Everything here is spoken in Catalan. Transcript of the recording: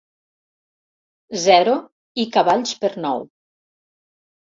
Zero i cavalls per nou.